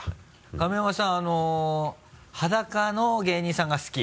亀山さん裸の芸人さんが好き？